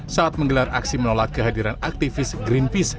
saat menggelar aksi menolak kehadiran aktivis greenpeace